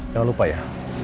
jangan lupa ya